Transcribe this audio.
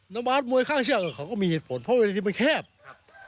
น้ำบาทมวยข้างเชศเขาก็มีเหตุผลเพราะวิธีมันแคบครับ